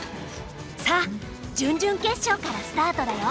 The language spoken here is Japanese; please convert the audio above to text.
さあ準々決勝からスタートだよ。